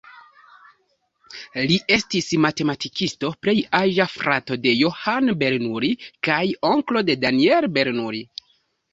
Li estis matematikisto, plej aĝa frato de Johann Bernoulli, kaj onklo de Daniel Bernoulli.